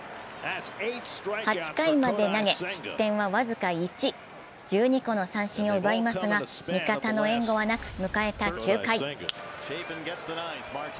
８回まで投げ、失点は僅か１、１２個の三振を奪いますが味方の援護はなく迎えた９回。